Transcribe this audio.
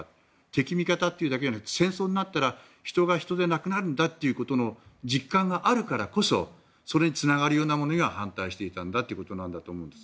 敵味方というだけの戦争になったら人が人でなくなるんだということの実感があるからこそそれにつながるようなものには反対していかなきゃいけないということなんだと。